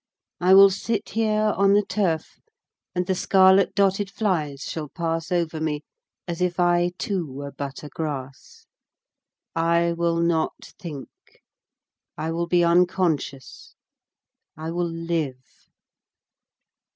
I will sit here on the turf and the scarlet dotted flies shall pass over me, as if I too were but a grass. I will not think, I will be unconscious, I will live.